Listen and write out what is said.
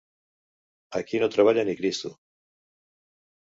Aquí no treballa ni Cristo!